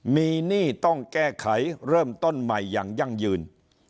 มีหนี้ต้องแก้ไขเริ่มต้นใหม่อย่างยั่งยืน